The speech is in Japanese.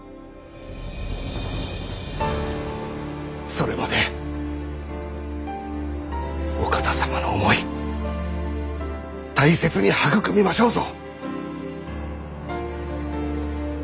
それまでお方様の思い大切に育みましょうぞ。